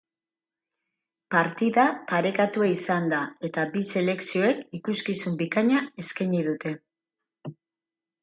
Partida parekatua izan da, eta bi selekzioek ikuskizun bikaina eskaini dute.